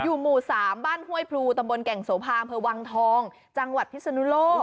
หมู่๓บ้านห้วยพลูตำบลแก่งโสภาอำเภอวังทองจังหวัดพิศนุโลก